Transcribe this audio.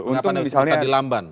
mengapa nanti bisa takut di lamban